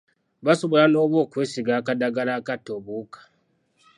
Basobola n’oba okwesiiga akadagala akatta obuwuka.